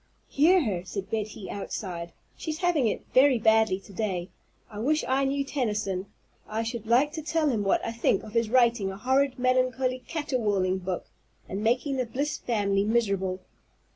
"Hear her!" said Betty outside. "She's having it very badly to day. I wish I knew Tennyson. I should like to tell him what I think of his writing a horrid, melancholy, caterwauling book, and making the Bliss family miserable.